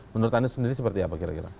menurut anda sendiri seperti apa kira kira